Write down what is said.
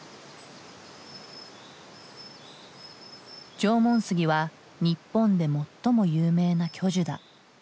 縄文杉は日本で最も有名な巨樹だ。